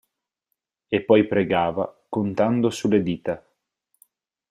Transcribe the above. E poi pregava, contando sulle dita.